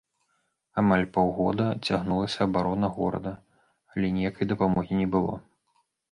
Амаль паўгода цягнулася абарона горада, але ніякай дапамогі не было.